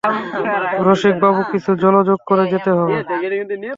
রসিকবাবু, কিছু জলযোগ করে যেতে হবে।